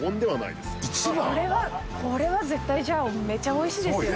これは絶対じゃあめちゃおいしいですよね